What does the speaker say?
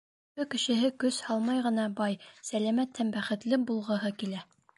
Өфө кешеһе көс һалмай ғына бай, сәләмәт һәм бәхетле булғыһы килә.